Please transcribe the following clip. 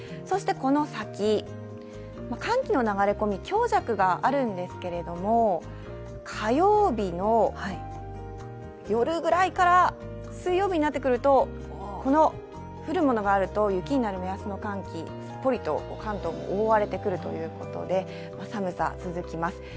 そしてこの先、寒気の流れ込み、強弱があるんですけれども、火曜日の夜くらいから水曜日になってくると、この降るものがあると雪になる目安の寒気、すっぽりと関東も大荒れてくるということで寒さ、続きます。